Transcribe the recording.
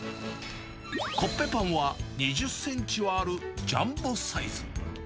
コッペパンは２０センチはあるジャンボサイズ。